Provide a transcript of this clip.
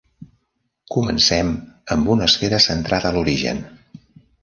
Comencem amb una esfera centrada a l'origen.